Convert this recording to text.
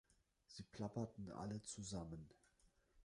Sie plapperten alle zusammen.